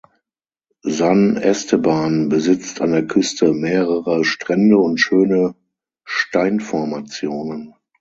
San Esteban besitzt an der Küste mehrere Strände und schöne Steinformationen.